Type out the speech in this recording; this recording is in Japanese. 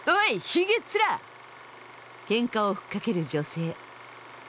ケンカを吹っかける女性。